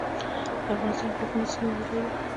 د افغانستان باغونه څه میوې لري؟